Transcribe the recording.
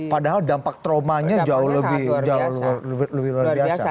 padahal dampak traumanya jauh lebih luar biasa